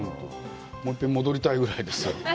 もう一遍、戻りたいぐらいですよ。